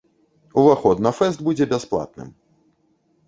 Уваход на фэст будзе бясплатным.